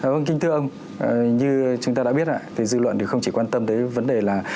vâng kính thưa ông như chúng ta đã biết dư luận không chỉ quan tâm tới vấn đề là